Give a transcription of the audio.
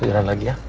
kita jalan lagi ya